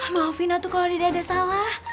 maafin atau kalau tidak ada salah